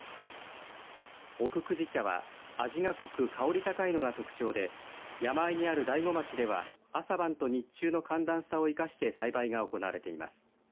奥久慈茶は味が濃く、香り高いのが特徴で山あいにある大子町では朝晩と日中の寒暖差を生かして栽培が行われています。